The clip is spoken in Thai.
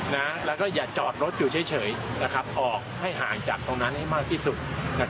แล้วก็อย่าจอดรถอยู่เฉยออกให้ห่างจากตรงนั้นให้มากที่สุด